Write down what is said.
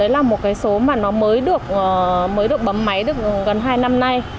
một trăm một mươi một là một số mới được bấm máy gần hai năm nay